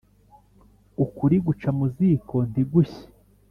Ukuri guca mu ziko ntigushye